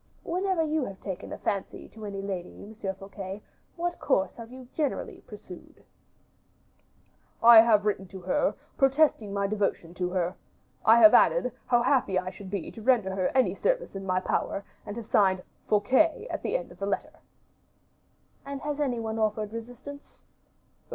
"Whenever you have taken a fancy to any lady, Monsieur Fouquet, what course have you generally pursued?" "I have written to her, protesting my devotion to her. I have added, how happy I should be to render her any service in my power, and have signed 'Fouquet,' at the end of the letter." "And has any one offered resistance?"